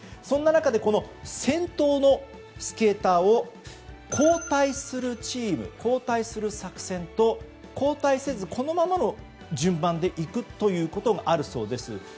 そんな中で、先頭のスケーターを交代するチーム、交代する作戦と交代せず、このままの順番でいくということもあるそうです。